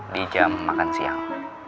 di jam makan siang